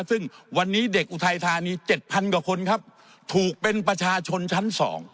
ซึ่งวันนี้เด็กอุทัยธานี๗๐๐กว่าคนครับถูกเป็นประชาชนชั้น๒